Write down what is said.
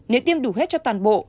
nếu tiêm đủ hết cho toàn bộ